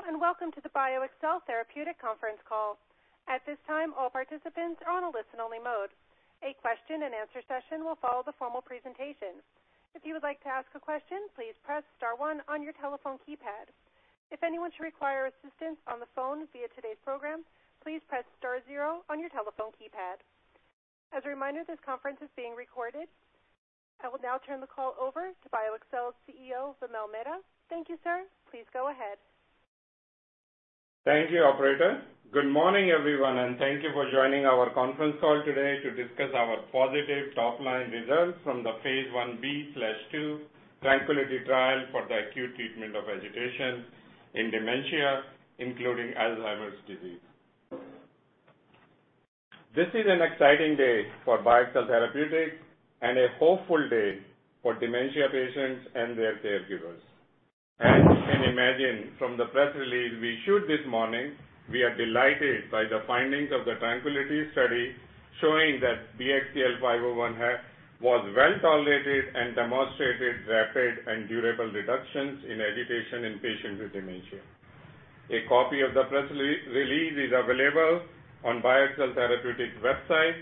Hello, welcome to the BioXcel Therapeutics conference call. At this time, all participants are on a listen-only mode. A question and answer session will follow the formal presentation. If you would like to ask a question, please press star one on your telephone keypad. If anyone should require assistance on the phone via today's program, please press star zero on your telephone keypad. As a reminder, this conference is being recorded. I will now turn the call over to BioXcel's CEO, Vimal Mehta. Thank you, sir. Please go ahead. Thank you, operator. Good morning, everyone. Thank you for joining our conference call today to discuss our positive top-line results from the phase I-B/II TRANQUILITY trial for the acute treatment of agitation in dementia, including Alzheimer's disease. This is an exciting day for BioXcel Therapeutics and a hopeful day for dementia patients and their caregivers. As you can imagine from the press release we issued this morning, we are delighted by the findings of the TRANQUILITY study showing that BXCL501 was well-tolerated and demonstrated rapid and durable reductions in agitation in patients with dementia. A copy of the press release is available on BioXcel Therapeutics' website.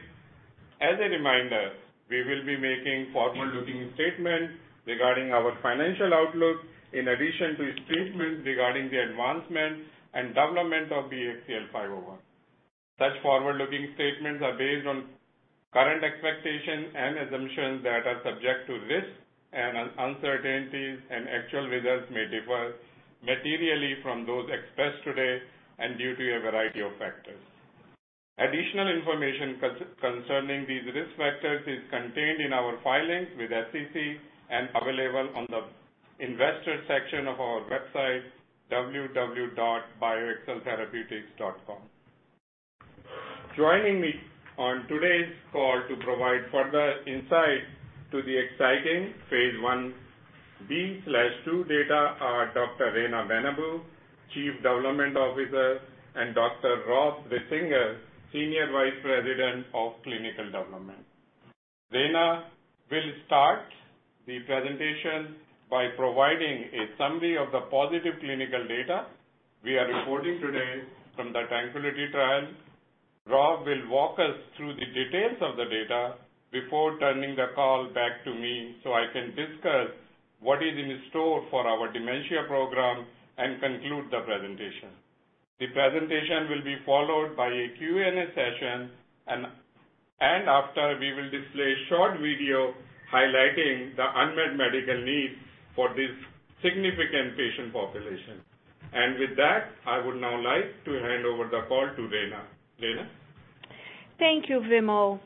As a reminder, we will be making forward-looking statements regarding our financial outlook in addition to statements regarding the advancement and development of BXCL501. Such forward-looking statements are based on current expectations and assumptions that are subject to risks and uncertainties, actual results may differ materially from those expressed today and due to a variety of factors. Additional information concerning these risk factors is contained in our filings with SEC and available on the investor section of our website, www.bioxceltherapeutics.com. Joining me on today's call to provide further insight to the exciting phase I-B/II data are Dr. Reina Benabou, Chief Development Officer, and Dr. Rob Risinger, Senior Vice President of Clinical Development. Reina will start the presentation by providing a summary of the positive clinical data we are reporting today from the TRANQUILITY trial. Rob will walk us through the details of the data before turning the call back to me so I can discuss what is in store for our dementia program and conclude the presentation. The presentation will be followed by a Q&A session, and after, we will display a short video highlighting the unmet medical needs for this significant patient population. With that, I would now like to hand over the call to Reina. Reina? Thank you, Vimal.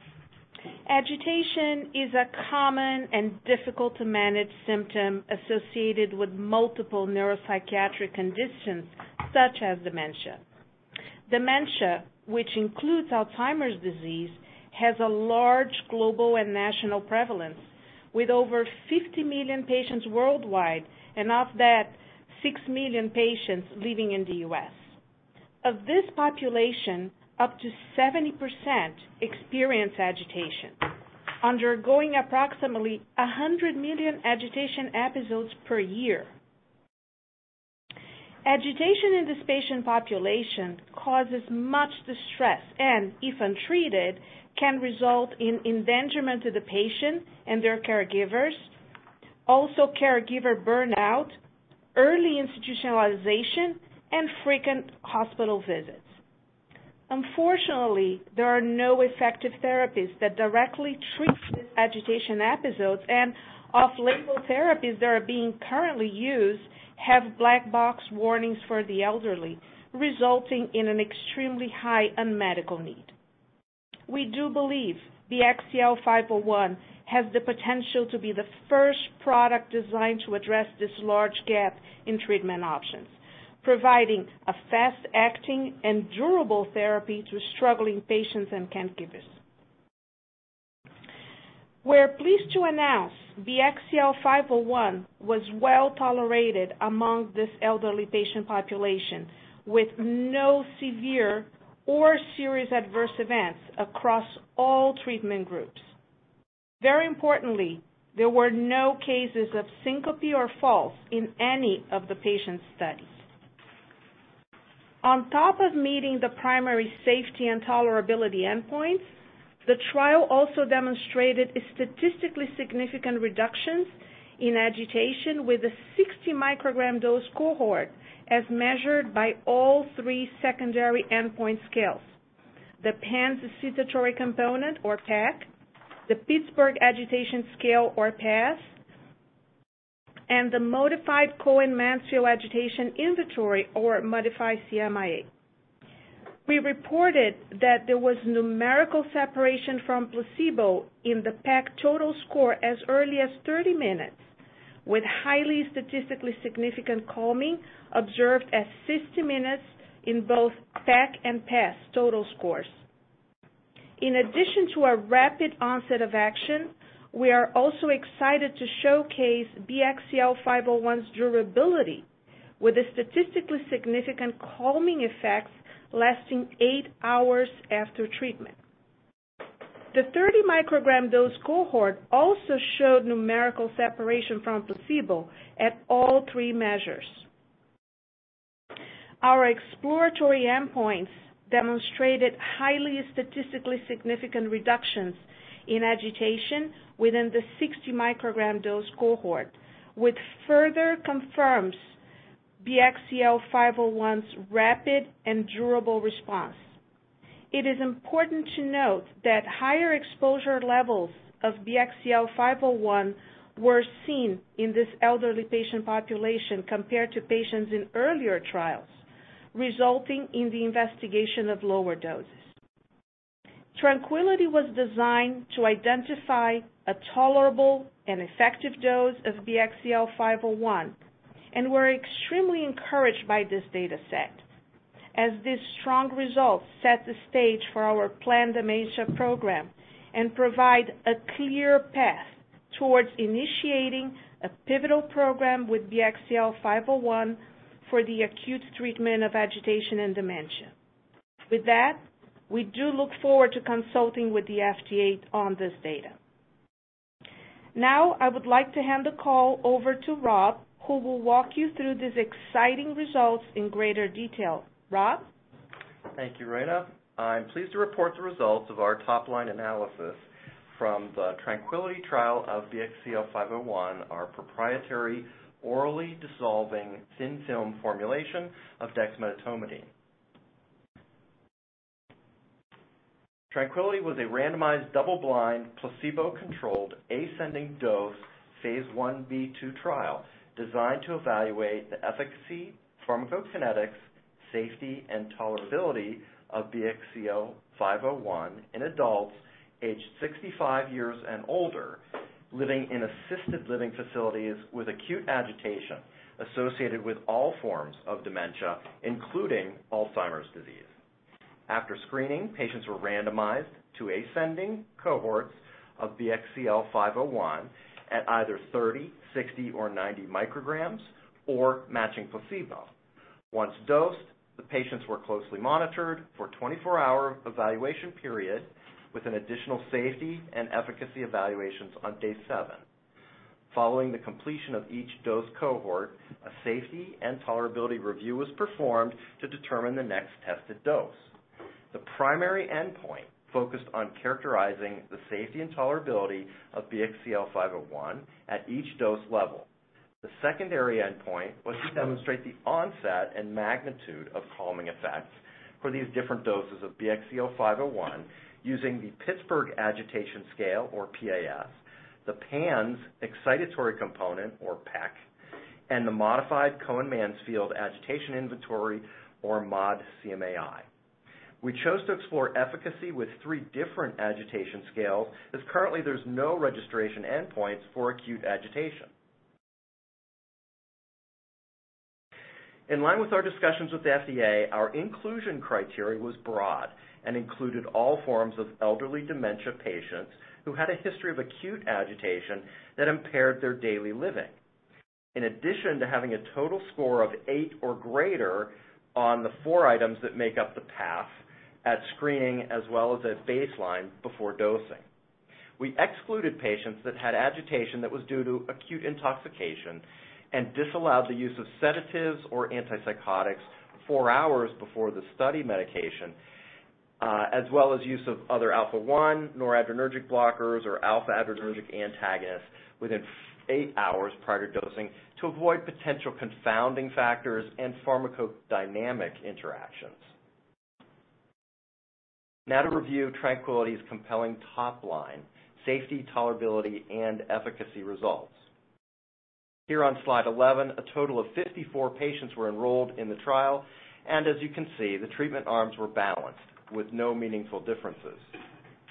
Agitation is a common and difficult-to-manage symptom associated with multiple neuropsychiatric conditions, such as dementia. Dementia, which includes Alzheimer's disease, has a large global and national prevalence, with over 50 million patients worldwide, and of that, six million patients living in the U.S. Of this population, up to 70% experience agitation, undergoing approximately 100 million agitation episodes per year. Agitation in this patient population causes much distress and, if untreated, can result in endangerment to the patient and their caregivers, also caregiver burnout, early institutionalization, and frequent hospital visits. Unfortunately, there are no effective therapies that directly treat these agitation episodes, and off-label therapies that are being currently used have black box warnings for the elderly, resulting in an extremely high unmet medical need. We do believe BXCL501 has the potential to be the first product designed to address this large gap in treatment options, providing a fast-acting and durable therapy to struggling patients and caregivers. We're pleased to announce BXCL501 was well-tolerated among this elderly patient population, with no severe or serious adverse events across all treatment groups. Very importantly, there were no cases of syncope or falls in any of the patient studies. On top of meeting the primary safety and tolerability endpoints, the trial also demonstrated a statistically significant reductions in agitation with a 60 mcg dose cohort as measured by all three secondary endpoint scales, the PANSS Agitation Component, or PAC, the Pittsburgh Agitation Scale, or PAS, and the Modified Cohen-Mansfield Agitation Inventory, or modified CMAI. We reported that there was numerical separation from placebo in the PAC total score as early as 30 minutes, with highly statistically significant calming observed at 60 minutes in both PAC and PAS total scores. In addition to a rapid onset of action, we are also excited to showcase BXCL501's durability with the statistically significant calming effects lasting eight hours after treatment. The 30 mcg dose cohort also showed numerical separation from placebo at all three measures. Our exploratory endpoints demonstrated highly statistically significant reductions in agitation within the 60 mcg dose cohort, which further confirms BXCL501's rapid and durable response. It is important to note that higher exposure levels of BXCL501 were seen in this elderly patient population compared to patients in earlier trials, resulting in the investigation of lower doses. TRANQUILITY was designed to identify a tolerable and effective dose of BXCL501. We're extremely encouraged by this data set, as these strong results set the stage for our planned dementia program and provide a clear path towards initiating a pivotal program with BXCL501 for the acute treatment of agitation and dementia. With that, we do look forward to consulting with the FDA on this data. Now, I would like to hand the call over to Rob, who will walk you through these exciting results in greater detail. Rob? Thank you, Reina. I'm pleased to report the results of our top-line analysis from the TRANQUILITY trial of BXCL501, our proprietary orally dissolving thin film formulation of dexmedetomidine. TRANQUILITY was a randomized, double-blind, placebo-controlled, ascending dose, phase I-B/II trial designed to evaluate the efficacy, pharmacokinetics, safety, and tolerability of BXCL501 in adults aged 65 years and older, living in assisted living facilities with acute agitation associated with all forms of dementia, including Alzheimer's disease. After screening, patients were randomized to ascending cohorts of BXCL501 at either 30, 60, or 90 mcg, or matching placebo. Once dosed, the patients were closely monitored for a 24-hour evaluation period with an additional safety and efficacy evaluations on day seven. Following the completion of each dose cohort, a safety and tolerability review was performed to determine the next tested dose. The primary endpoint focused on characterizing the safety and tolerability of BXCL501 at each dose level. The secondary endpoint was to demonstrate the onset and magnitude of calming effects for these different doses of BXCL501 using the Pittsburgh Agitation Scale or PAS, the PANSS Excited Component or PEC, and the Modified Cohen-Mansfield Agitation Inventory or modCMAI. We chose to explore efficacy with three different agitation scales, as currently there's no registration endpoints for acute agitation. In line with our discussions with the FDA, our inclusion criteria was broad and included all forms of elderly dementia patients who had a history of acute agitation that impaired their daily living. In addition to having a total score of eight or greater on the four items that make up the PAS at screening as well as at baseline before dosing. We excluded patients that had agitation that was due to acute intoxication and disallowed the use of sedatives or antipsychotics four hours before the study medication, as well as use of other alpha-1, noradrenergic blockers, or alpha-adrenergic antagonists within eight hours prior to dosing to avoid potential confounding factors and pharmacodynamic interactions. To review TRANQUILITY's compelling top-line safety, tolerability, and efficacy results. Here on slide 11, a total of 54 patients were enrolled in the trial, and as you can see, the treatment arms were balanced with no meaningful differences.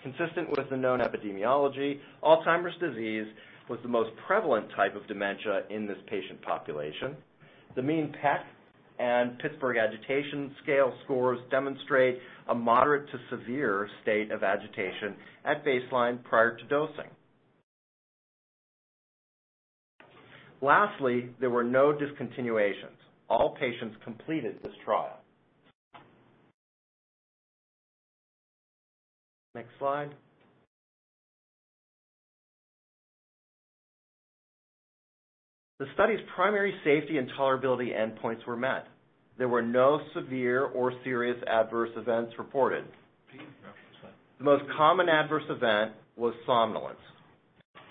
Consistent with the known epidemiology, Alzheimer's disease was the most prevalent type of dementia in this patient population. The mean PEC and Pittsburgh Agitation Scale scores demonstrate a moderate to severe state of agitation at baseline prior to dosing. Lastly, there were no discontinuations. All patients completed this trial. Next slide. The study's primary safety and tolerability endpoints were met. There were no severe or serious adverse events reported. No, it's fine. The most common adverse event was somnolence.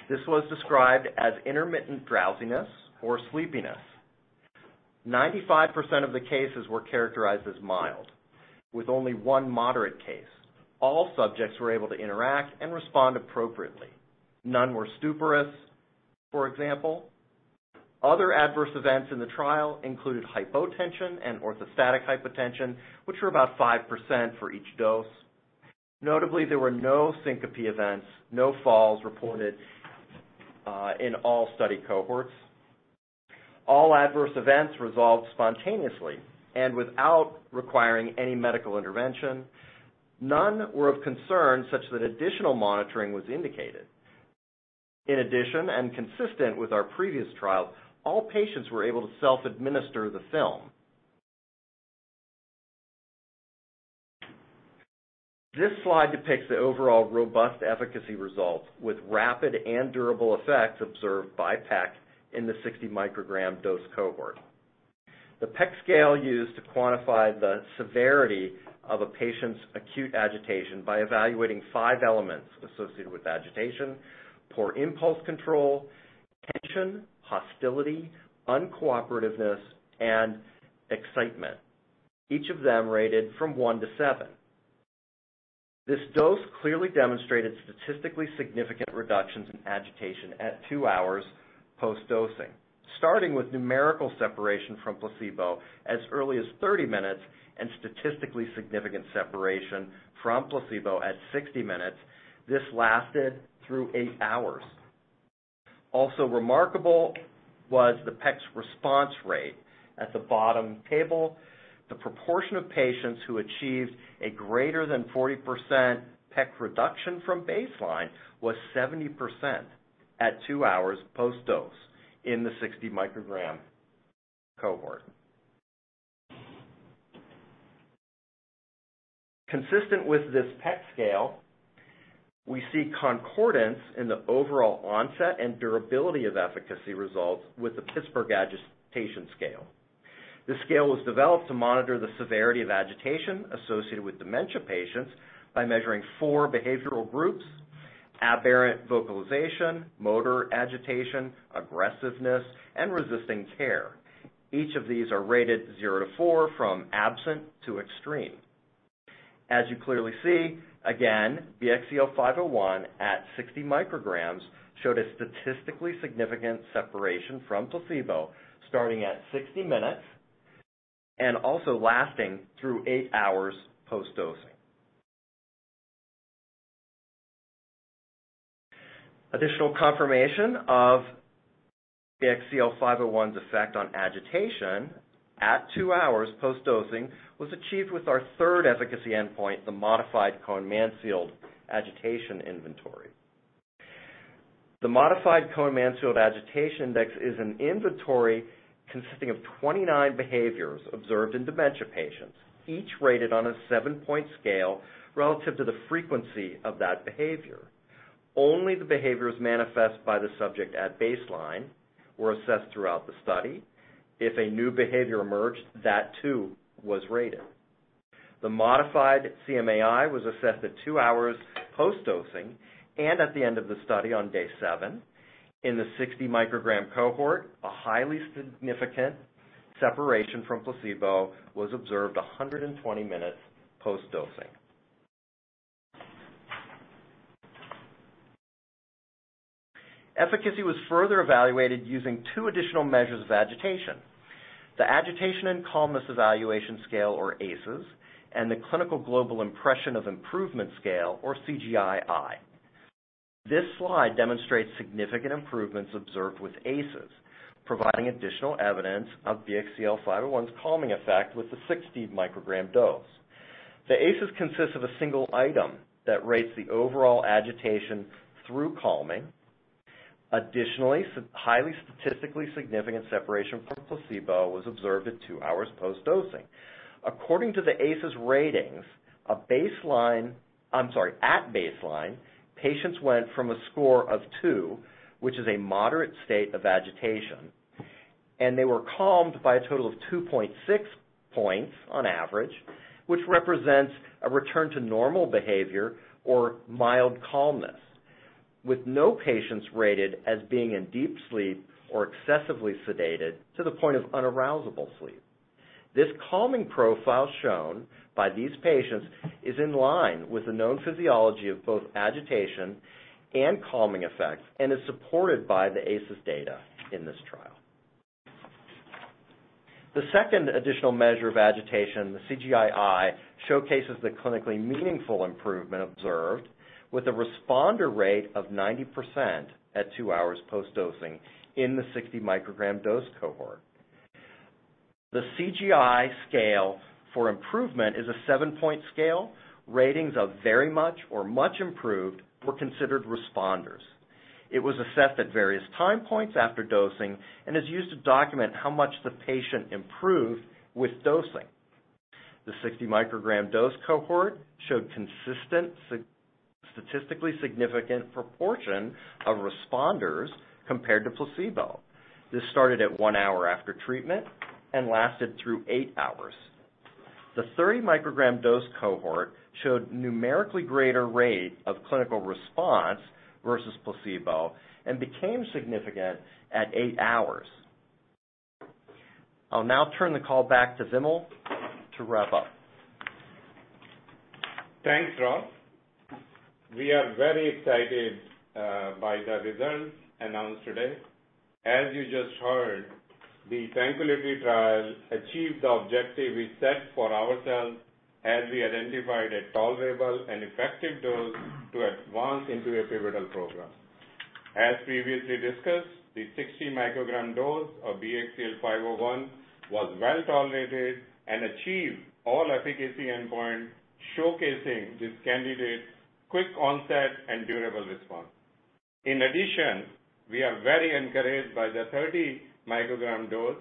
This was described as intermittent drowsiness or sleepiness. 95% of the cases were characterized as mild, with only one moderate case. All subjects were able to interact and respond appropriately. None were stuporous, for example. Other adverse events in the trial included hypotension and orthostatic hypotension, which were about 5% for each dose. Notably, there were no syncope events, no falls reported in all study cohorts. All adverse events resolved spontaneously and without requiring any medical intervention. None were of concern such that additional monitoring was indicated. In addition, and consistent with our previous trial, all patients were able to self-administer the film. This slide depicts the overall robust efficacy results with rapid and durable effects observed by PEC in the 60 mcg dose cohort. The PEC scale used to quantify the severity of a patient's acute agitation by evaluating five elements associated with agitation, poor impulse control, tension, hostility, uncooperativeness, and excitement, each of them rated from one to seven. This dose clearly demonstrated statistically significant reductions in agitation at two hours post-dosing, starting with numerical separation from placebo as early as 30 minutes and statistically significant separation from placebo at 60 minutes. This lasted through eight hours. Also remarkable was the PEC's response rate at the bottom table. The proportion of patients who achieved a greater than 40% PEC reduction from baseline was 70% at two hours post-dose in the 60 mcg cohort. Consistent with this PEC scale, we see concordance in the overall onset and durability of efficacy results with the Pittsburgh Agitation Scale. This scale was developed to monitor the severity of agitation associated with dementia patients by measuring four behavioral groups: aberrant vocalization, motor agitation, aggressiveness, and resisting care. Each of these are rated zero to four from absent to extreme. As you clearly see, again, BXCL501 at 60 mcg showed a statistically significant separation from placebo, starting at 60 minutes and also lasting through eight hours post-dosing. Additional confirmation of BXCL501's effect on agitation at two hours post-dosing was achieved with our third efficacy endpoint, the Modified Cohen-Mansfield Agitation Inventory. The Modified Cohen-Mansfield Agitation Inventory is an inventory consisting of 29 behaviors observed in dementia patients, each rated on a seven-point scale relative to the frequency of that behavior. Only the behaviors manifest by the subject at baseline were assessed throughout the study. If a new behavior emerged, that too was rated. The modified CMAI was assessed at two hours post-dosing and at the end of the study on day seven. In the 60 mcg cohort, a highly significant separation from placebo was observed 120 minutes post-dosing. Efficacy was further evaluated using two additional measures of agitation: the Agitation and Calmness Evaluation Scale, or ACES, and the Clinical Global Impression of Improvement scale, or CGI-I. This slide demonstrates significant improvements observed with ACES, providing additional evidence of BXCL501's calming effect with the 60 mcg dose. The ACES consists of a single item that rates the overall agitation through calming. Additionally, highly statistically significant separation from placebo was observed at two hours post-dosing. According to the ACES ratings, at baseline, patients went from a score of two, which is a moderate state of agitation, and they were calmed by a total of 2.6 points on average, which represents a return to normal behavior or mild calmness with no patients rated as being in deep sleep or excessively sedated to the point of unarousable sleep. This calming profile shown by these patients is in line with the known physiology of both agitation and calming effects and is supported by the ACES data in this trial. The second additional measure of agitation, the CGI-I, showcases the clinically meaningful improvement observed with a responder rate of 90% at two hours post-dosing in the 60 mcg dose cohort. The CGI scale for improvement is a seven-point scale. Ratings of very much or much improved were considered responders. It was assessed at various time points after dosing and is used to document how much the patient improved with dosing. The 60 mcg dose cohort showed consistent, statistically significant proportion of responders compared to placebo. This started at one hour after treatment and lasted through eight hours. The 30 mcg dose cohort showed numerically greater rate of clinical response versus placebo and became significant at eight hours. I'll now turn the call back to Vimal to wrap up. Thanks, Rob. We are very excited by the results announced today. As you just heard, the TRANQUILITY trial achieved the objective we set for ourselves as we identified a tolerable and effective dose to advance into a pivotal program. As previously discussed, the 60 mcg dose of BXCL501 was well-tolerated and achieved all efficacy endpoints, showcasing this candidate's quick onset and durable response. We are very encouraged by the 30 mcg dose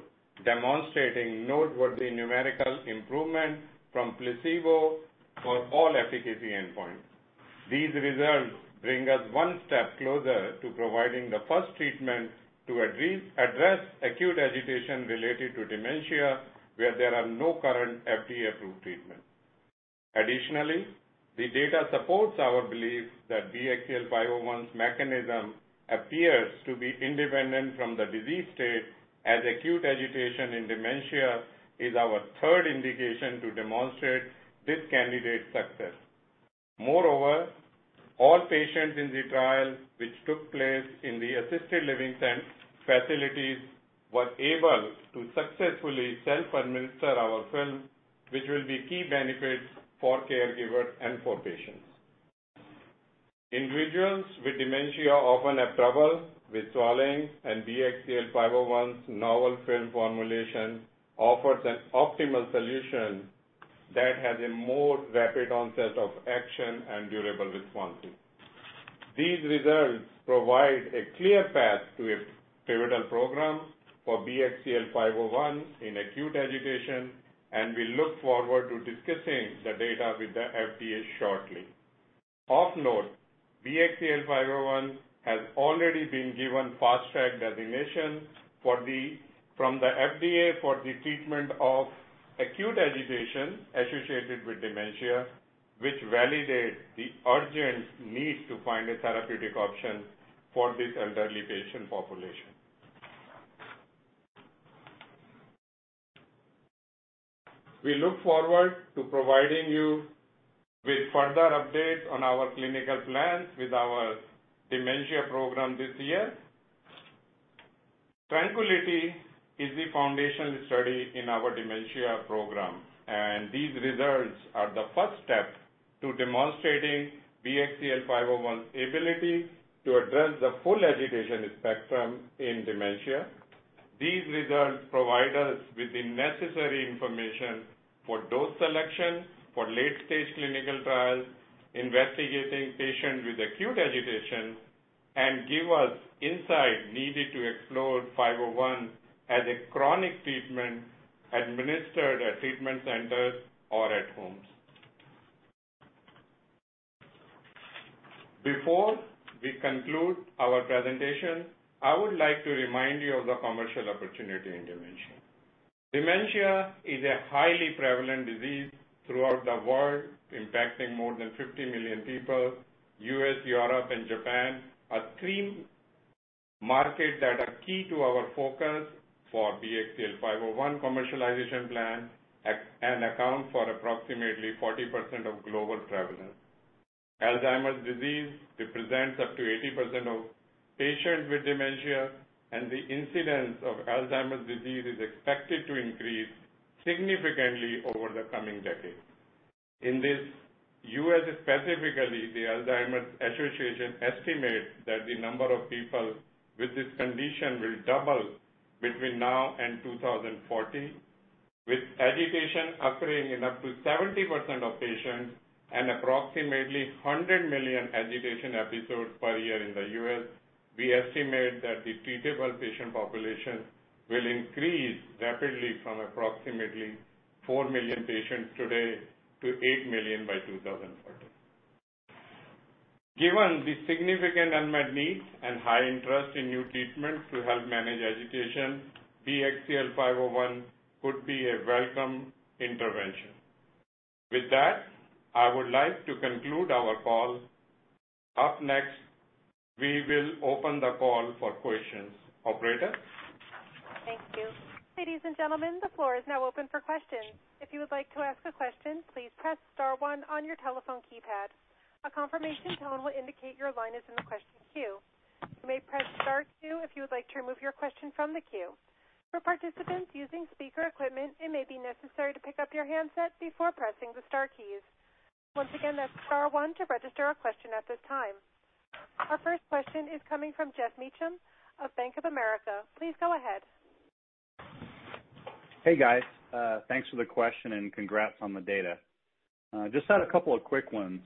demonstrating noteworthy numerical improvement from placebo for all efficacy endpoints. These results bring us one step closer to providing the first treatment to address acute agitation related to dementia, where there are no current FDA-approved treatments. The data supports our belief that BXCL501's mechanism appears to be independent from the disease state, as acute agitation in dementia is our third indication to demonstrate this candidate's success. Moreover, all patients in the trial, which took place in the assisted living facilities, were able to successfully self-administer our film, which will be key benefits for caregivers and for patients. Individuals with dementia often have trouble with swallowing. BXCL501's novel film formulation offers an optimal solution that has a more rapid onset of action and durable responses. These results provide a clear path to a pivotal program for BXCL501 in acute agitation. We look forward to discussing the data with the FDA shortly. Of note, BXCL501 has already been given Fast Track designation from the FDA for the treatment of acute agitation associated with dementia, which validates the urgent need to find a therapeutic option for this elderly patient population. We look forward to providing you with further updates on our clinical plans with our dementia program this year. TRANQUILITY is the foundational study in our dementia program. These results are the first step to demonstrating BXCL501's ability to address the full agitation spectrum in dementia. These results provide us with the necessary information for dose selection for late-stage clinical trials investigating patients with acute agitation and give us insight needed to explore 501 as a chronic treatment administered at treatment centers or at homes. Before we conclude our presentation, I would like to remind you of the commercial opportunity in dementia. Dementia is a highly prevalent disease throughout the world, impacting more than 50 million people. U.S., Europe, and Japan are key markets that are key to our focus for BXCL501 commercialization plans and account for approximately 40% of global prevalence. Alzheimer's disease represents up to 80% of patients with dementia. The incidence of Alzheimer's disease is expected to increase significantly over the coming decades. In the U.S. specifically, the Alzheimer's Association estimates that the number of people with this condition will double between now and 2040. With agitation occurring in up to 70% of patients and approximately 100 million agitation episodes per year in the U.S., we estimate that the treatable patient population will increase rapidly from approximately 4 million patients today to 8 million by 2040. Given the significant unmet needs and high interest in new treatments to help manage agitation, BXCL501 could be a welcome intervention. With that, I would like to conclude our call. Up next, we will open the call for questions. Operator? Thank you. Ladies and gentlemen, the floor is now open for questions. If you would like to ask a question, please press star one on your telephone keypad. A confirmation tone will indicate your line is in the question queue. You may press star two if you would like to remove your question from the queue. For participants using speaker equipment, it may be necessary to pick up your handset before pressing the star keys. Once again, that's star one to register a question at this time. Our first question is coming from Geoff Meacham of Bank of America. Please go ahead. Hey, guys. Thanks for the question and congrats on the data. Just had a couple of quick ones.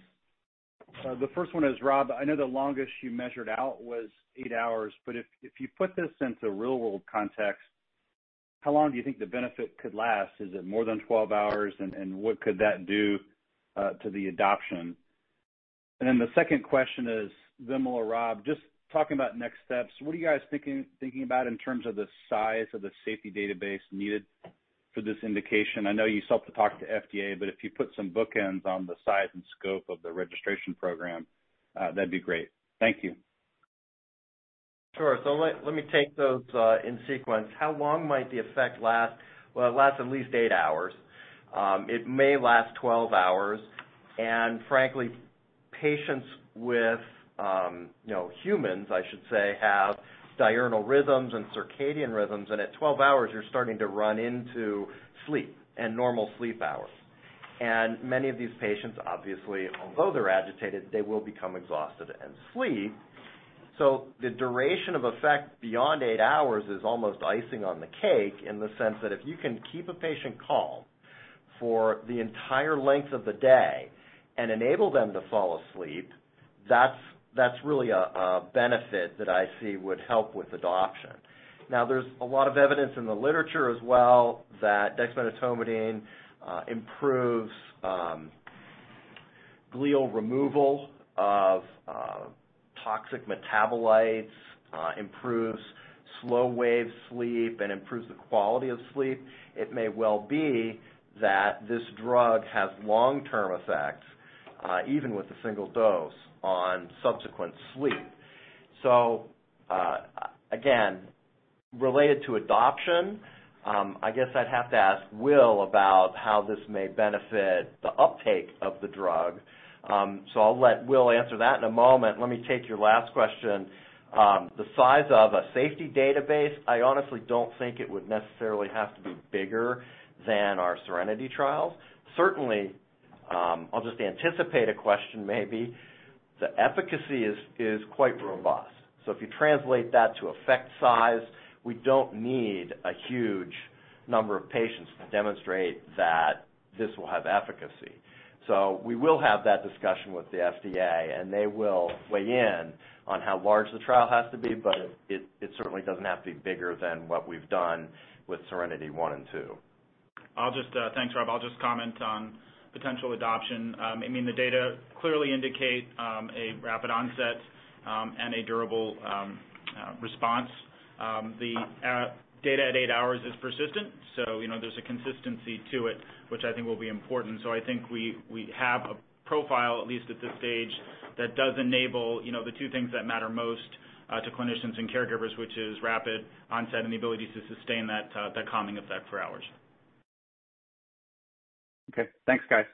The first one is, Rob, I know the longest you measured out was eight hours, but if you put this into real-world context, how long do you think the benefit could last? Is it more than 12 hours, and what could that do to the adoption? The second question is, Vimal or Rob, just talking about next steps, what are you guys thinking about in terms of the size of the safety database needed for this indication? I know you still have to talk to FDA, but if you put some bookends on the size and scope of the registration program, that'd be great. Thank you. Sure. Let me take those in sequence. How long might the effect last? Well, it lasts at least eight hours. It may last 12 hours. Frankly, patients with humans, I should say, have diurnal rhythms and circadian rhythms, and at 12 hours, you're starting to run into sleep and normal sleep hours. Many of these patients, obviously, although they're agitated, they will become exhausted and sleep. The duration of effect beyond eight hours is almost icing on the cake in the sense that if you can keep a patient calm. For the entire length of the day and enable them to fall asleep, that's really a benefit that I see would help with adoption. There's a lot of evidence in the literature as well that dexmedetomidine improves glial removal of toxic metabolites, improves slow-wave sleep, and improves the quality of sleep. It may well be that this drug has long-term effects, even with a single dose, on subsequent sleep. Again, related to adoption, I guess I'd have to ask [Will] about how this may benefit the uptake of the drug. I'll let [Will] answer that in a moment. Let me take your last question. The size of a safety database, I honestly don't think it would necessarily have to be bigger than our SERENITY trials. Certainly, I'll just anticipate a question maybe. The efficacy is quite robust. If you translate that to effect size, we don't need a huge number of patients to demonstrate that this will have efficacy. We will have that discussion with the FDA, and they will weigh in on how large the trial has to be, but it certainly doesn't have to be bigger than what we've done with SERENITY I and II. Thanks, Rob. I'll just comment on potential adoption. The data clearly indicate a rapid onset and a durable response. The data at eight hours is persistent, there's a consistency to it which I think will be important. I think we have a profile, at least at this stage, that does enable the two things that matter most to clinicians and caregivers, which is rapid onset and the ability to sustain that calming effect for hours. Okay, thanks, guys.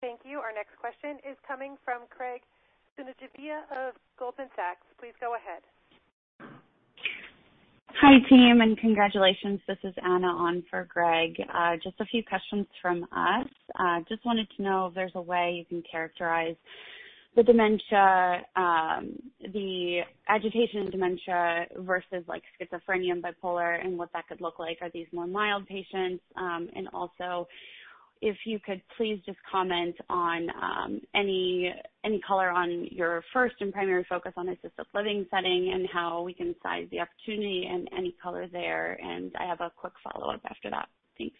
Thank you. Our next question is coming from Graig Suvannavejh of Goldman Sachs. Please go ahead. Hi, team, congratulations. This is Anna on for Greg. Just a few questions from us. Wanted to know if there's a way you can characterize the agitation in dementia versus schizophrenia and bipolar and what that could look like. Are these more mild patients? Also, if you could please just comment on any color on your first and primary focus on assisted living setting and how we can size the opportunity and any color there. I have a quick follow-up after that. Thanks.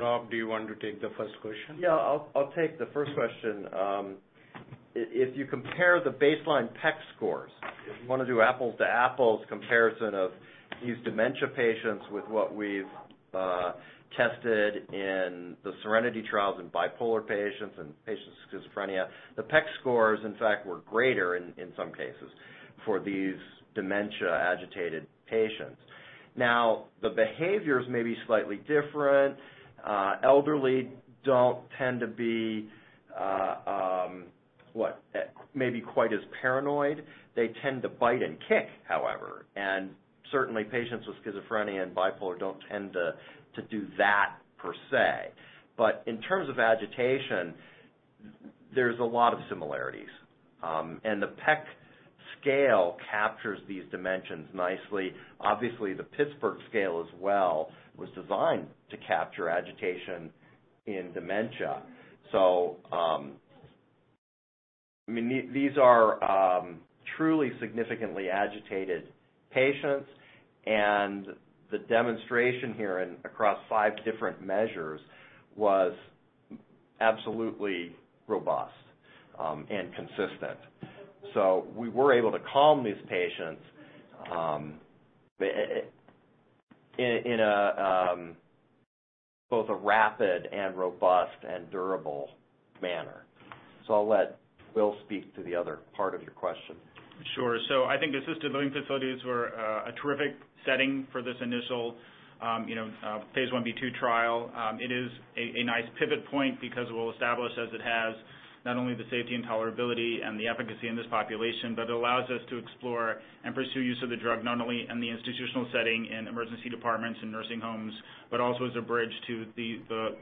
Rob, do you want to take the first question? Yeah, I'll take the first question. If you compare the baseline PEC scores, if you want to do apples to apples comparison of these dementia patients with what we've tested in the SERENITY trials in bipolar patients and patients with schizophrenia, the PEC scores, in fact, were greater in some cases for these dementia-agitated patients. The behaviors may be slightly different. Elderly don't tend to be maybe quite as paranoid. They tend to bite and kick, however, and certainly patients with schizophrenia and bipolar don't tend to do that per se. In terms of agitation, there's a lot of similarities. The PEC scale captures these dimensions nicely. Obviously, the Pittsburgh scale as well was designed to capture agitation in dementia. These are truly significantly agitated patients, and the demonstration here across five different measures was absolutely robust and consistent. We were able to calm these patients in both a rapid and robust and durable manner. I'll let [Will] speak to the other part of your question. Sure. I think assisted living facilities were a terrific setting for this initial phase I-B/II trial. It is a nice pivot point because it will establish, as it has, not only the safety and tolerability and the efficacy in this population, but it allows us to explore and pursue use of the drug not only in the institutional setting, in emergency departments and nursing homes, but also as a bridge to the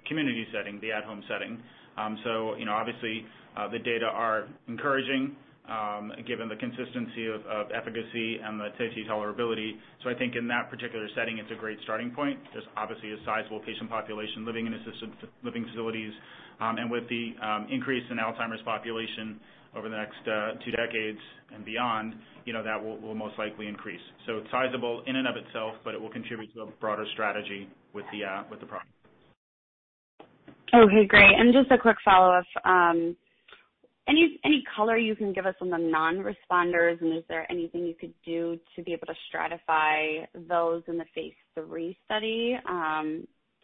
community setting, the at-home setting. Obviously, the data are encouraging given the consistency of efficacy and the safety tolerability. I think in that particular setting, it's a great starting point. There's obviously a sizable patient population living in assisted living facilities. With the increase in Alzheimer's population over the next two decades and beyond, that will most likely increase. It's sizable in and of itself, but it will contribute to a broader strategy with the product. Okay, great. Just a quick follow-up. Any color you can give us on the non-responders, and is there anything you could do to be able to stratify those in the phase III study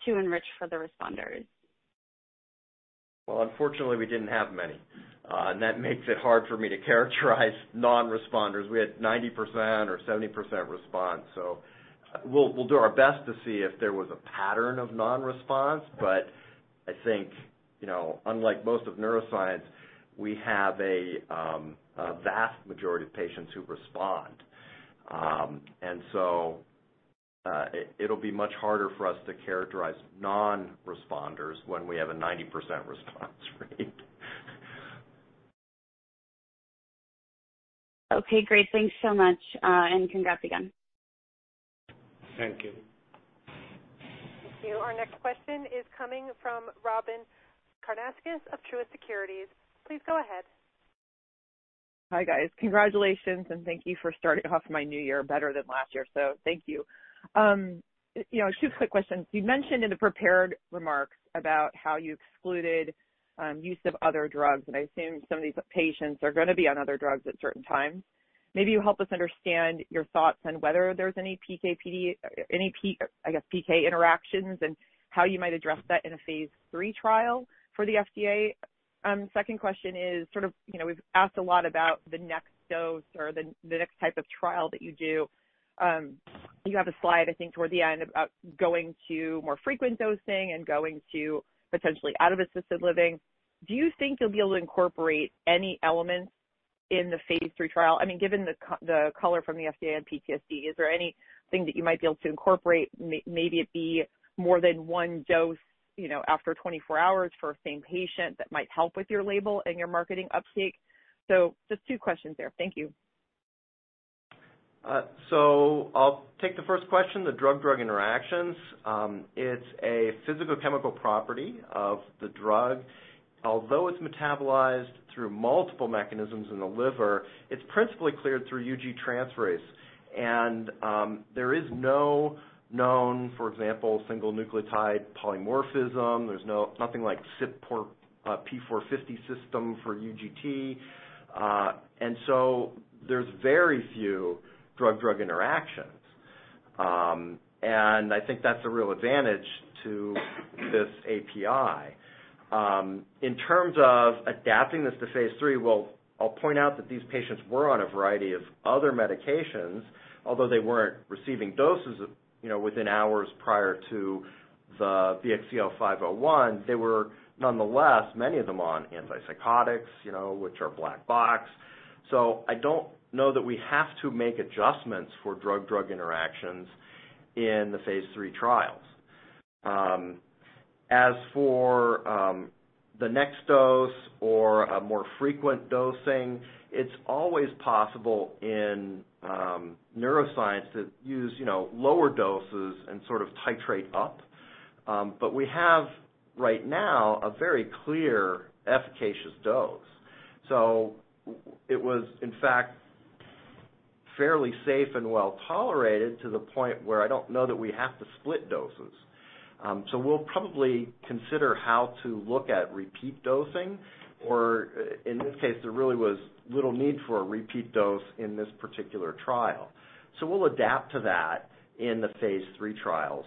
to enrich for the responders? Well, unfortunately, we didn't have many. That makes it hard for me to characterize non-responders. We had 90% or 70% response. We'll do our best to see if there was a pattern of non-response, but I think, unlike most of neuroscience, we have a vast majority of patients who respond. It'll be much harder for us to characterize non-responders when we have a 90% response rate. Okay, great. Thanks so much. Congrats again. Thank you. Thank you. Our next question is coming from Robyn Karnauskas of Truist Securities. Please go ahead. Hi, guys. Congratulations, and thank you for starting off my new year better than last year. Thank you. Two quick questions. You mentioned in the prepared remarks about how you excluded use of other drugs, and I assume some of these patients are going to be on other drugs at certain times. Maybe you help us understand your thoughts on whether there's any, I guess, PK interactions and how you might address that in a phase III trial for the FDA. Second question is, we've asked a lot about the next dose or the next type of trial that you do. You have a slide, I think toward the end, about going to more frequent dosing and going to potentially out of assisted living. Do you think you'll be able to incorporate any elements in the phase III trial? Given the color from the FDA and PTSD, is there anything that you might be able to incorporate? Maybe it be more than one dose after 24 hours for a same patient that might help with your label and your marketing uptake? Just two questions there. Thank you. I'll take the first question, the drug-drug interactions. It's a physical chemical property of the drug. Although it's metabolized through multiple mechanisms in the liver, it's principally cleared through UG transferase. There is no known, for example, single nucleotide polymorphism. There's nothing like CYP450 system for UGT. There's very few drug-drug interactions. I think that's a real advantage to this API. In terms of adapting this to phase III, I'll point out that these patients were on a variety of other medications, although they weren't receiving doses within hours prior to the BXCL501. They were nonetheless, many of them on antipsychotics which are black box. I don't know that we have to make adjustments for drug-drug interactions in the phase III trials. As for the next dose or a more frequent dosing, it's always possible in neuroscience to use lower doses and titrate up. We have right now a very clear efficacious dose. It was in fact fairly safe and well tolerated to the point where I don't know that we have to split doses. We'll probably consider how to look at repeat dosing or in this case, there really was little need for a repeat dose in this particular trial. We'll adapt to that in the phase III trials.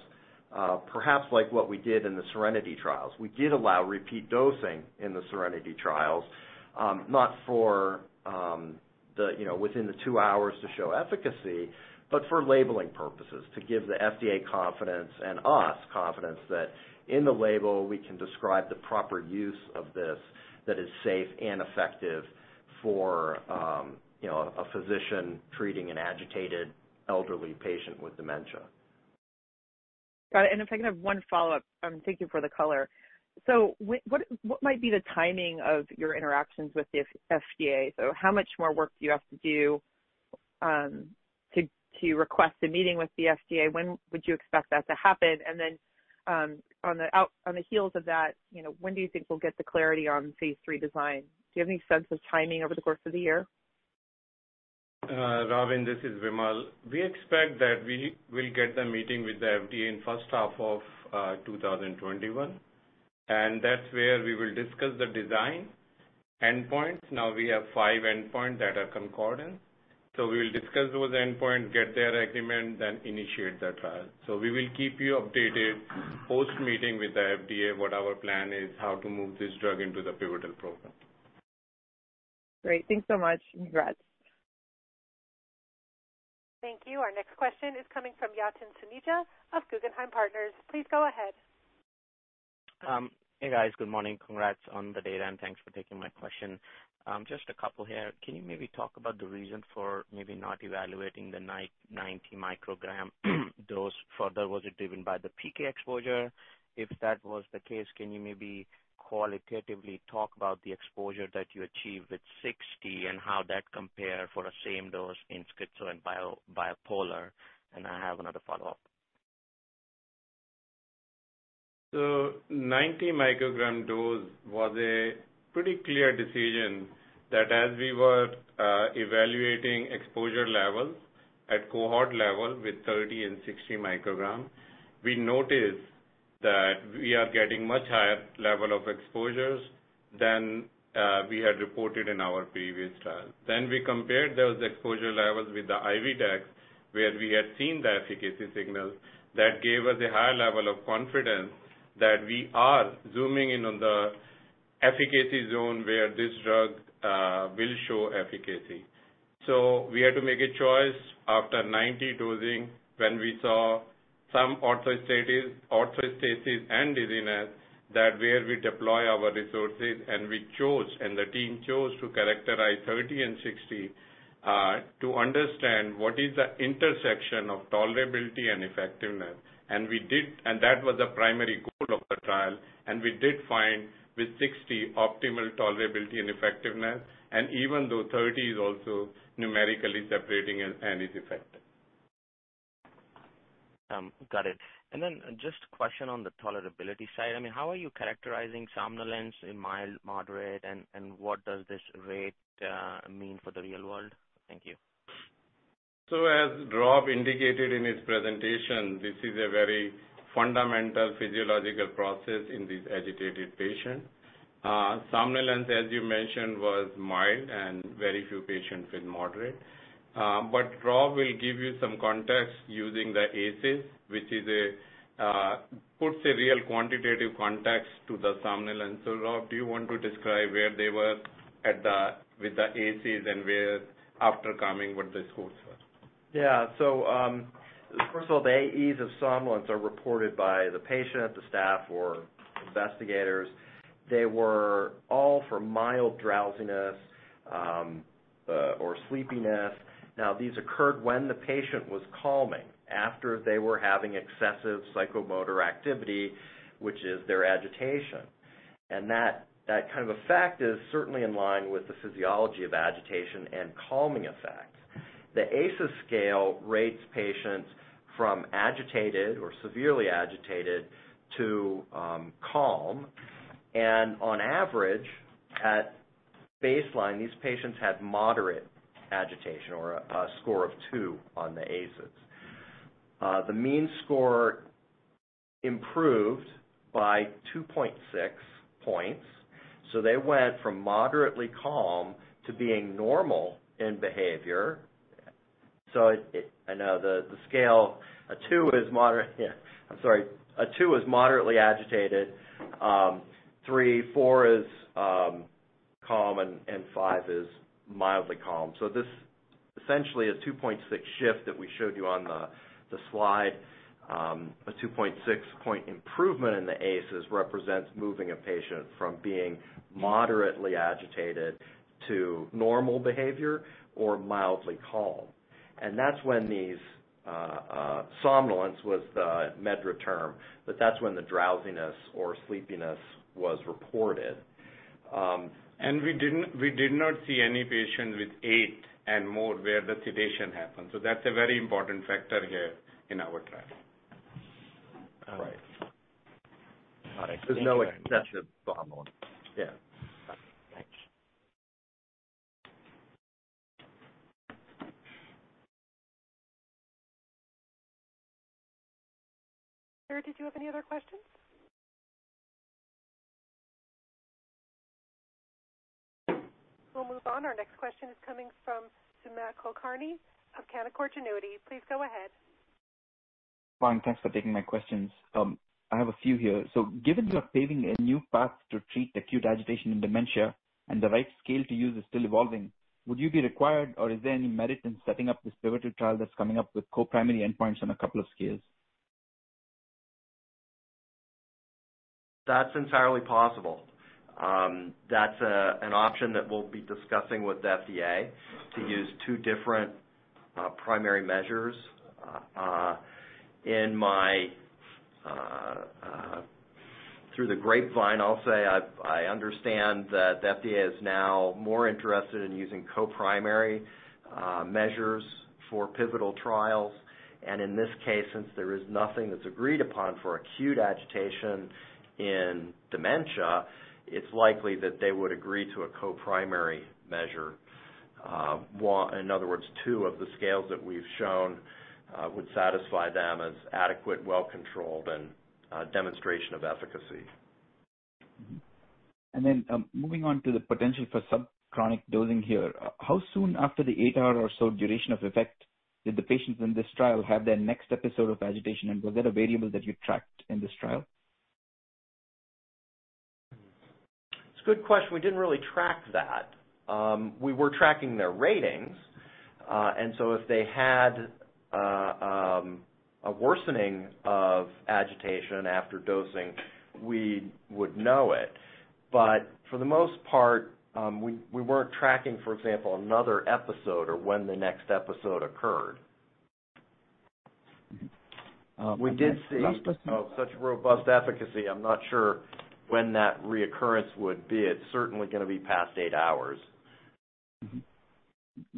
Perhaps like what we did in the SERENITY trials. We did allow repeat dosing in the SERENITY trials. Not within the two hours to show efficacy, but for labeling purposes to give the FDA confidence and us confidence that in the label we can describe the proper use of this that is safe and effective for a physician treating an agitated elderly patient with dementia. Got it. If I can have one follow-up. Thank you for the color. What might be the timing of your interactions with the FDA? How much more work do you have to do to request a meeting with the FDA? When would you expect that to happen? Then, on the heels of that, when do you think we'll get the clarity on phase III design? Do you have any sense of timing over the course of the year? Robyn, this is Vimal. We expect that we will get the meeting with the FDA in first half of 2021. That's where we will discuss the design endpoints. We have five endpoints that are concordant. We will discuss those endpoint, get their agreement, then initiate the trial. We will keep you updated post-meeting with the FDA what our plan is, how to move this drug into the pivotal program. Great. Thanks so much, and congrats. Thank you. Our next question is coming from Yatin Suneja of Guggenheim Partners. Please go ahead. Hey, guys. Good morning. Congrats on the data, and thanks for taking my question. Just a couple here. Can you maybe talk about the reason for maybe not evaluating the 90 mcg dose further? Was it driven by the PK exposure? If that was the case, can you maybe qualitatively talk about the exposure that you achieved with 60 and how that compare for the same dose in schizo and bipolar? I have another follow-up. 90 mcg dose was a pretty clear decision that as we were evaluating exposure levels at cohort level with 30 and 60 mcg, we noticed that we are getting much higher level of exposures than we had reported in our previous trial. We compared those exposure levels with the IV dex, where we had seen the efficacy signal that gave us a higher level of confidence that we are zooming in on the efficacy zone where this drug will show efficacy. We had to make a choice after 90 dosing when we saw some orthostasis and dizziness that where we deploy our resources and we chose, and the team chose to characterize 30 and 60 to understand what is the intersection of tolerability and effectiveness. That was the primary goal of the trial, and we did find with 60 optimal tolerability and effectiveness, and even though 30 is also numerically separating and is effective. Got it. Just a question on the tolerability side. How are you characterizing somnolence in mild, moderate, and what does this rate mean for the real world? Thank you. As Rob indicated in his presentation, this is a very fundamental physiological process in these agitated patients. Somnolence, as you mentioned, was mild and very few patients with moderate. Rob will give you some context using the ACES, which puts a real quantitative context to the somnolence. Rob, do you want to describe where they were with the ACES and after calming, what the scores were? Yeah. First of all, the AE of somnolence are reported by the patient, the staff, or investigators. They were all for mild drowsiness or sleepiness. These occurred when the patient was calming, after they were having excessive psychomotor activity, which is their agitation. That kind of effect is certainly in line with the physiology of agitation and calming effect. The ACES scale rates patients from agitated or severely agitated to calm, and on average, at baseline, these patients had moderate agitation or a score of two on the ACES. The mean score improved by 2.6 points, so they went from moderately calm to being normal in behavior. I know the scale, a two is moderately agitated. Three, four is calm, and five is mildly calm. This essentially a 2.6 shift that we showed you on the slide. A 2.6-point improvement in the ACES represents moving a patient from being moderately agitated to normal behavior or mildly calm. That's when these somnolence was the MedDRA term, but that's when the drowsiness or sleepiness was reported. We did not see any patient with eight and more where the sedation happened. That's a very important factor here in our trial. Right. All right. Thank you. There's no excessive somnolence. Yeah. Got it. Thanks. Sir, did you have any other questions? We'll move on. Our next question is coming from Sumant Kulkarni of Canaccord Genuity. Please go ahead. Fine, thanks for taking my questions. I have a few here. Given you are paving a new path to treat acute agitation in dementia and the right scale to use is still evolving, would you be required or is there any merit in setting up this pivotal trial that's coming up with co-primary endpoints on a couple of scales? That's entirely possible. That's an option that we'll be discussing with the FDA to use two different primary measures. Through the grapevine, I'll say, I understand that the FDA is now more interested in using co-primary measures for pivotal trials. In this case, since there is nothing that's agreed upon for acute agitation in dementia, it's likely that they would agree to a co-primary measure. In other words, two of the scales that we've shown would satisfy them as adequate, well-controlled, and a demonstration of efficacy. Moving on to the potential for subchronic dosing here. How soon after the eight-hour or so duration of effect did the patients in this trial have their next episode of agitation, and was that a variable that you tracked in this trial? It's a good question. We didn't really track that. We were tracking their ratings. If they had a worsening of agitation after dosing, we would know it. For the most part, we weren't tracking, for example, another episode or when the next episode occurred. Okay. Last question? We did see such robust efficacy. I'm not sure when that reoccurrence would be. It's certainly going to be past eight hours.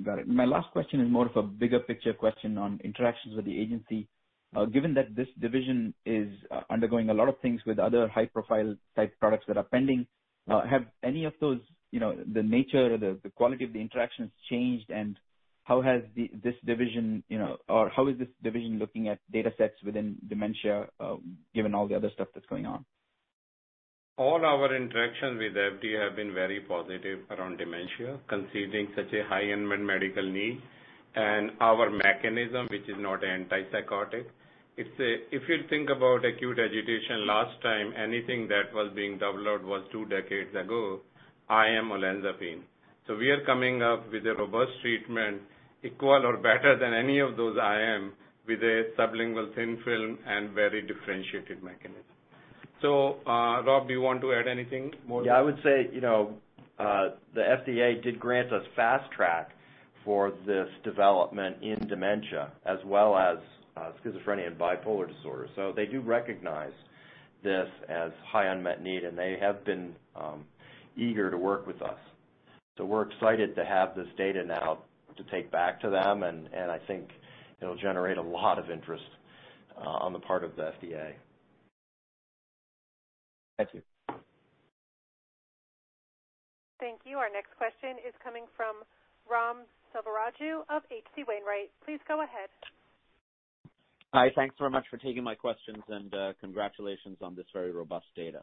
Got it. My last question is more of a bigger picture question on interactions with the agency. Given that this division is undergoing a lot of things with other high-profile type products that are pending, have any of those, the nature or the quality of the interactions changed, and how has this division, or how is this division looking at data sets within dementia given all the other stuff that's going on? All our interactions with FDA have been very positive around dementia, conceding such a high unmet medical need. Our mechanism, which is not antipsychotic. If you think about acute agitation, last time anything that was being developed was two decades ago, IM olanzapine. We are coming up with a robust treatment equal to or better than any of those IM with a sublingual thin film and very differentiated mechanism. Rob, do you want to add anything more? Yeah, I would say, the FDA did grant us Fast Track for this development in dementia as well as schizophrenia and bipolar disorder. They do recognize this as high unmet need, and they have been eager to work with us. We're excited to have this data now to take back to them, and I think it'll generate a lot of interest on the part of the FDA. Thank you. Thank you. Our next question is coming from Ram Selvaraju of HC Wainwright. Please go ahead. Hi. Thanks very much for taking my questions, congratulations on this very robust data.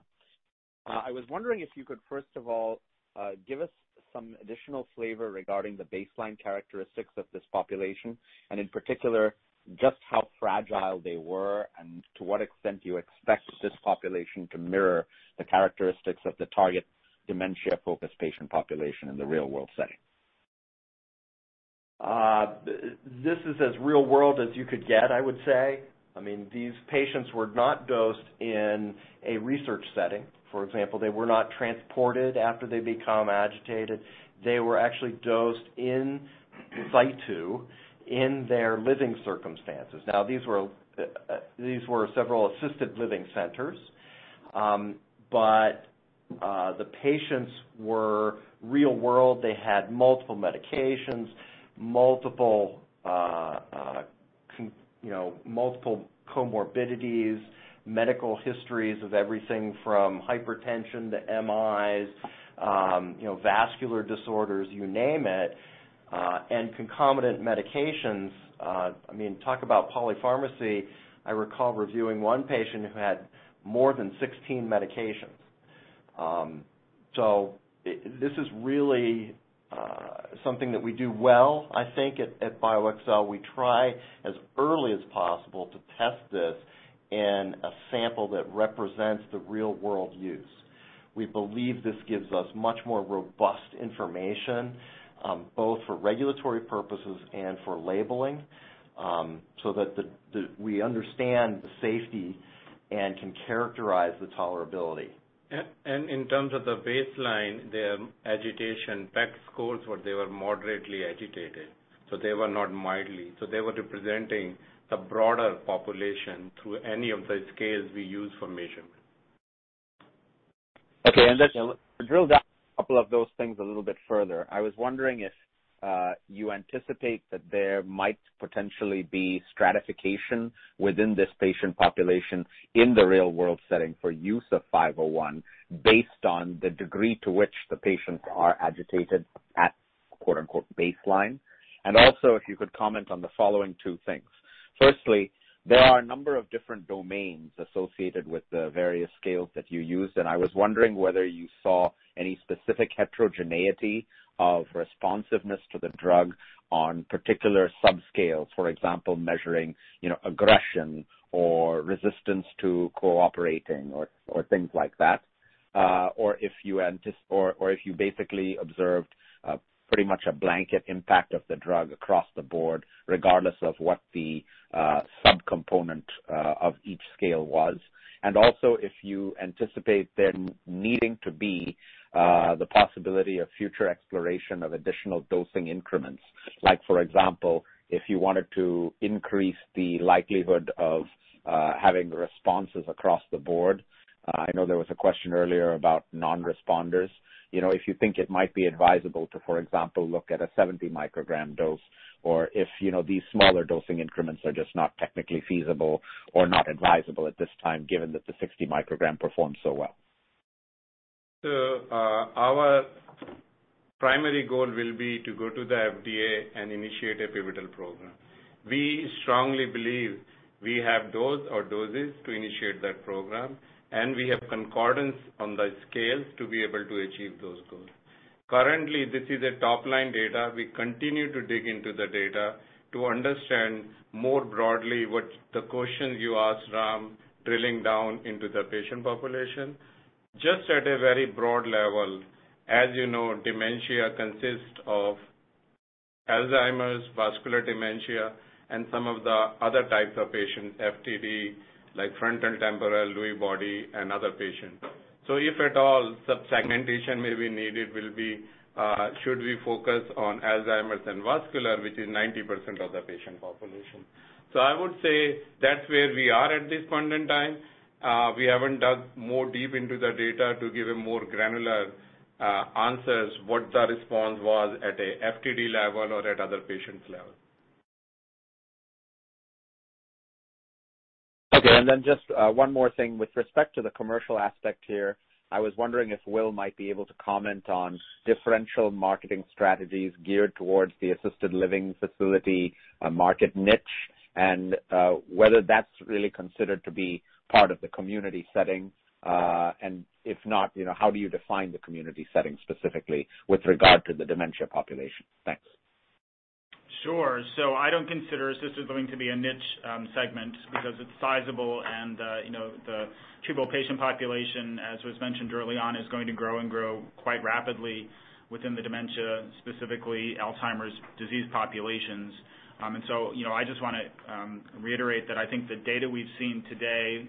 I was wondering if you could first of all, give us some additional flavor regarding the baseline characteristics of this population, and in particular, just how fragile they were and to what extent you expect this population to mirror the characteristics of the target dementia-focused patient population in the real-world setting? This is as real-world as you could get, I would say. These patients were not dosed in a research setting. For example, they were not transported after they become agitated. They were actually dosed in situ in their living circumstances. These were several assisted living centers. The patients were real-world. They had multiple medications, multiple comorbidities, medical histories of everything from hypertension to MIs, vascular disorders, you name it, and concomitant medications. Talk about polypharmacy. I recall reviewing one patient who had more than 16 medications. This is really something that we do well, I think, at BioXcel. We try as early as possible to test this in a sample that represents the real-world use. We believe this gives us much more robust information both for regulatory purposes and for labeling so that we understand the safety and can characterize the tolerability. In terms of the baseline, their agitation PEC scores were moderately agitated. They were not mildly. They were representing the broader population through any of the scales we use for measurement. Okay, let's drill down a couple of those things a little bit further. I was wondering if you anticipate that there might potentially be stratification within this patient population in the real-world setting for use of 501 based on the degree to which the patients are agitated at quote-unquote baseline. Also, if you could comment on the following two things. Firstly, there are a number of different domains associated with the various scales that you used, and I was wondering whether you saw any specific heterogeneity of responsiveness to the drug on particular subscales, for example, measuring aggression or resistance to cooperating or things like that. Or if you basically observed pretty much a blanket impact of the drug across the board, regardless of what the subcomponent of each scale was. Also, if you anticipate there needing to be the possibility of future exploration of additional dosing increments. Like, for example, if you wanted to increase the likelihood of having the responses across the board. I know there was a question earlier about non-responders. If you think it might be advisable to, for example, look at a 70 mcg dose, or if these smaller dosing increments are just not technically feasible or not advisable at this time given that the 60 mcg performed so well. Our primary goal will be to go to the FDA and initiate a pivotal program. We strongly believe we have dose or doses to initiate that program, and we have concordance on the scales to be able to achieve those goals. Currently, this is a top-line data. We continue to dig into the data to understand more broadly what the question you asked, Ram, drilling down into the patient population. Just at a very broad level, as you know, dementia consists of Alzheimer's, vascular dementia, and some of the other types of patients, FTD, like frontotemporal Lewy body and other patients. If at all sub-segmentation may be needed, should we focus on Alzheimer's and vascular, which is 90% of the patient population. I would say that's where we are at this point in time. We haven't dug more deep into the data to give a more granular answers what the response was at a FTD level or at other patients' level. Okay, just one more thing. With respect to the commercial aspect here, I was wondering if [Will] might be able to comment on differential marketing strategies geared towards the assisted living facility market niche, and whether that's really considered to be part of the community setting. If not, how do you define the community setting specifically with regard to the dementia population? Thanks. Sure. I don't consider assisted living to be a niche segment because it's sizable and the total patient population, as was mentioned early on, is going to grow and grow quite rapidly within the dementia, specifically Alzheimer's disease populations. I just want to reiterate that I think the data we've seen today,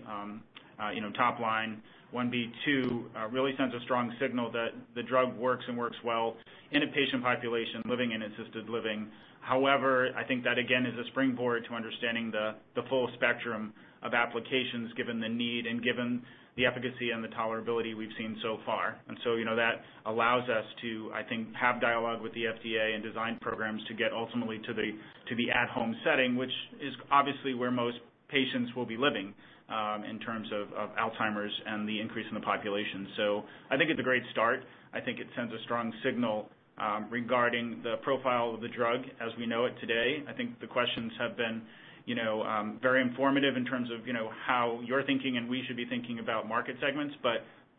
top line phase I-B/II really sends a strong signal that the drug works and works well in a patient population living in assisted living. However, I think that again, is a springboard to understanding the full spectrum of applications, given the need and given the efficacy and the tolerability we've seen so far. That allows us to, I think, have dialogue with the FDA and design programs to get ultimately to the at-home setting, which is obviously where most patients will be living, in terms of Alzheimer's and the increase in the population. I think it's a great start. I think it sends a strong signal regarding the profile of the drug as we know it today. I think the questions have been very informative in terms of how you're thinking and we should be thinking about market segments.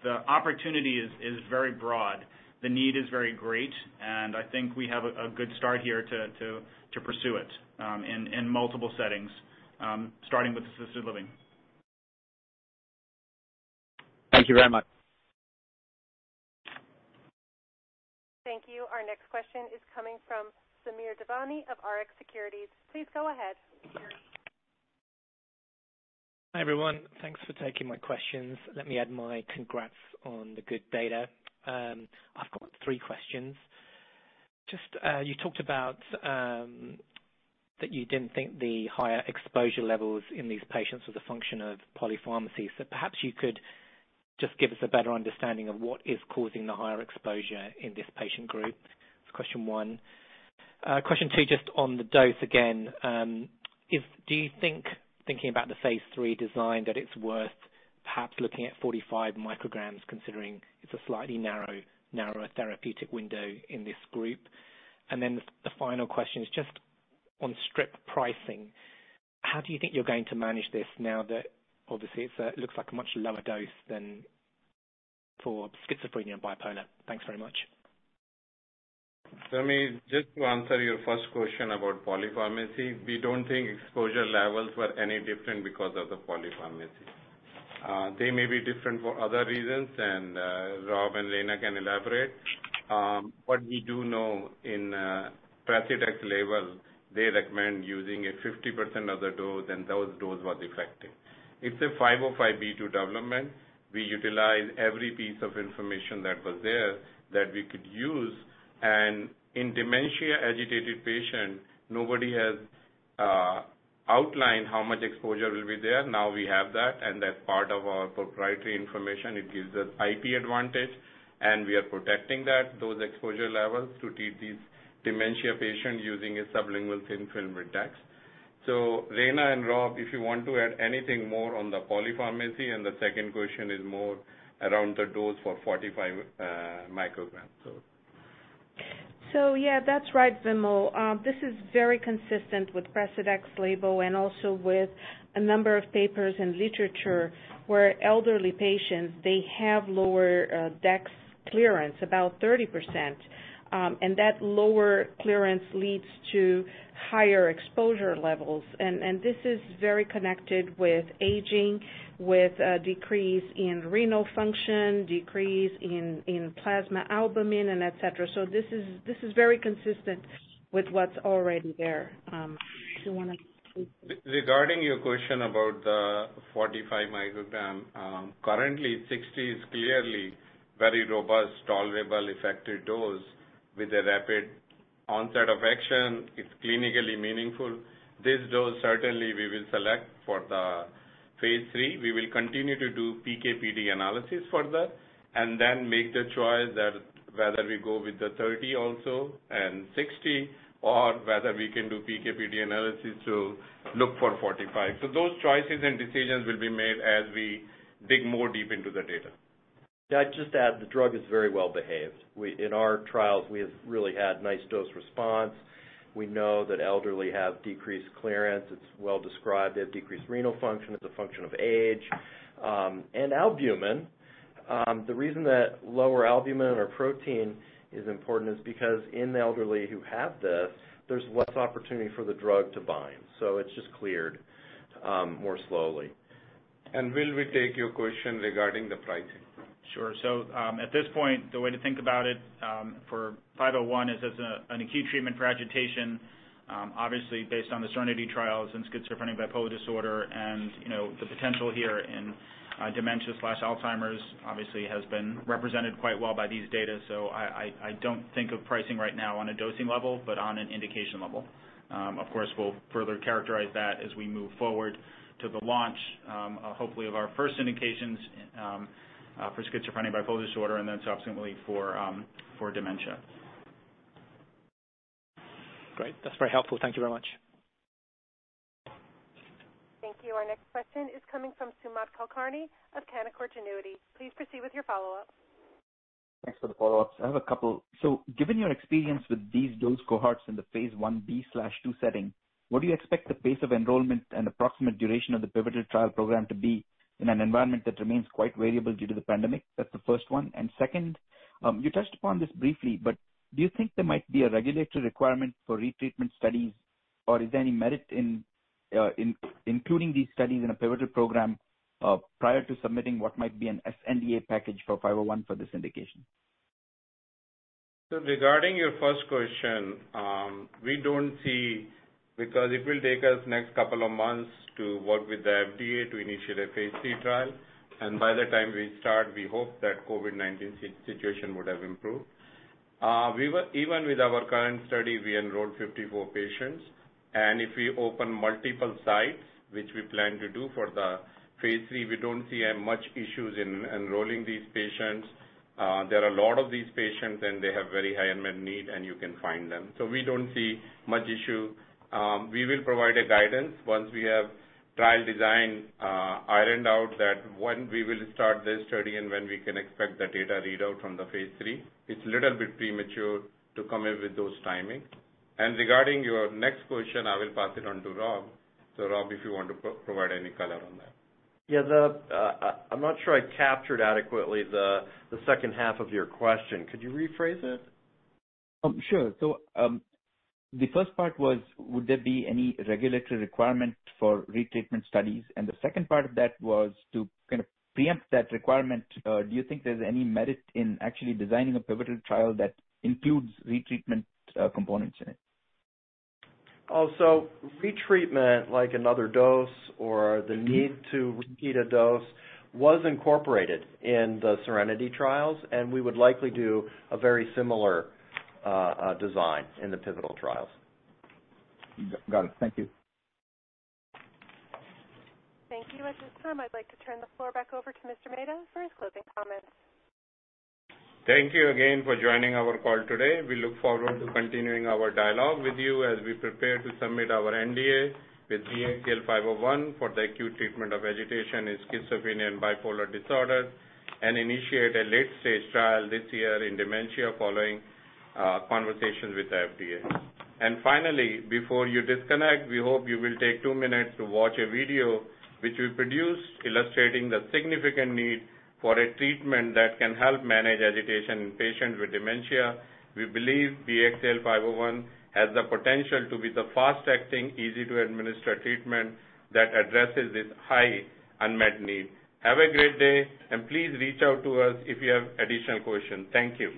The opportunity is very broad. The need is very great, and I think we have a good start here to pursue it in multiple settings, starting with assisted living. Thank you very much. Thank you. Our next question is coming from Samir Devani of Rx Securities. Please go ahead. Hi, everyone. Thanks for taking my questions. Let me add my congrats on the good data. I've got three questions. Just, you talked about that you didn't think the higher exposure levels in these patients was a function of polypharmacy. Perhaps you could just give us a better understanding of what is causing the higher exposure in this patient group. That's question one. Question two, just on the dose again. Do you think, thinking about the phase III design, that it's worth perhaps looking at 45 mcg, considering it's a slightly narrower therapeutic window in this group? Then the final question is just on strip pricing. How do you think you're going to manage this now that obviously it looks like a much lower dose than for schizophrenia and bipolar? Thanks very much. Samir, just to answer your first question about polypharmacy, we don't think exposure levels were any different because of the polypharmacy. They may be different for other reasons, and Rob and Reina can elaborate. What we do know in PRECEDEX label, they recommend using a 50% of the dose, and those dose was effective. It's a 505(b)(2) development. We utilize every piece of information that was there that we could use. In dementia agitated patient, nobody has outlined how much exposure will be there. Now we have that, and that's part of our proprietary information. It gives us IP advantage, and we are protecting those exposure levels to treat these dementia patients using a sublingual thin film IGALMI. Reina and Rob, if you want to add anything more on the polypharmacy, and the second question is more around the dose for 45 mcg. Yeah, that's right, Vimal. This is very consistent with PRECEDEX's label and also with a number of papers and literature where elderly patients, they have lower dex clearance, about 30%. That lower clearance leads to higher exposure levels. This is very connected with aging, with a decrease in renal function, decrease in plasma albumin, and et cetera. This is very consistent with what's already there. Do you want to take this? Regarding your question about the 45 mcg. Currently, 60 is clearly very robust, tolerable, effective dose with a rapid onset of action. It's clinically meaningful. This dose certainly we will select for the phase III. We will continue to do PK/PD analysis for that and then make the choice that whether we go with the 30 also and 60 or whether we can do PK/PD analysis to look for 45. Those choices and decisions will be made as we dig more deep into the data. Yeah, just to add, the drug is very well behaved. In our trials, we have really had nice dose response. We know that elderly have decreased clearance. It's well described. They have decreased renal function as a function of age. Albumin. The reason that lower albumin or protein is important is because in the elderly who have this, there's less opportunity for the drug to bind. It's just cleared more slowly. [Will], we take your question regarding the pricing. Sure. At this point, the way to think about it, for 501 is as an acute treatment for agitation, obviously based on the SERENITY trials in schizophrenia and bipolar disorder and the potential here in dementia/Alzheimer's obviously has been represented quite well by these data. I don't think of pricing right now on a dosing level, but on an indication level. Of course, we'll further characterize that as we move forward to the launch, hopefully of our first indications for schizophrenia and bipolar disorder and then subsequently for dementia. Great. That's very helpful. Thank you very much. Thank you. Our next question is coming from Sumant Kulkarni of Canaccord Genuity. Please proceed with your follow-up. Thanks for the follow-ups. I have a couple. Given your experience with these dose cohorts in the phase I-B/II setting, what do you expect the pace of enrollment and approximate duration of the pivotal trial program to be in an environment that remains quite variable due to the pandemic? That's the first one. Second, you touched upon this briefly, do you think there might be a regulatory requirement for retreatment studies? Or is there any merit in including these studies in a pivotal program prior to submitting what might be an sNDA package for 501 for this indication? Regarding your first question, we don't see Because it will take us next couple of months to work with the FDA to initiate a phase III trial, and by the time we start, we hope that COVID-19 situation would have improved. Even with our current study, we enrolled 54 patients, and if we open multiple sites, which we plan to do for the phase III, we don't see much issues in enrolling these patients. There are a lot of these patients, and they have very high unmet need, and you can find them. We don't see much issue. We will provide a guidance once we have trial design ironed out that when we will start this study and when we can expect the data readout from the phase III. It's little bit premature to come in with those timing. Regarding your next question, I will pass it on to Rob. Rob, if you want to provide any color on that. Yeah. I'm not sure I captured adequately the second half of your question. Could you rephrase it? Sure. The first part was, would there be any regulatory requirement for retreatment studies? The second part of that was to kind of preempt that requirement, do you think there's any merit in actually designing a pivotal trial that includes retreatment components in it? Retreatment, like another dose or the need to repeat a dose, was incorporated in the SERENITY trials, and we would likely do a very similar design in the pivotal trials. Got it. Thank you. Thank you. At this time, I'd like to turn the floor back over to Mr. Mehta for his closing comments. Thank you again for joining our call today. We look forward to continuing our dialogue with you as we prepare to submit our NDA with BXCL501 for the acute treatment of agitation in schizophrenia and bipolar disorders and initiate a late-stage trial this year in dementia following conversations with the FDA. Finally, before you disconnect, we hope you will take two minutes to watch a video which we produced illustrating the significant need for a treatment that can help manage agitation in patients with dementia. We believe BXCL501 has the potential to be the fast-acting, easy-to-administer treatment that addresses this high unmet need. Have a great day, and please reach out to us if you have additional questions. Thank you.